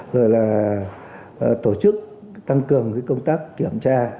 rồi là tổ chức tăng cường công tác kiểm tra